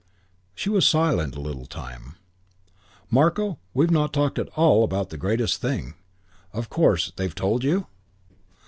She was silent a little time. "Marko, we've not talked at all about the greatest thing of course they've told you?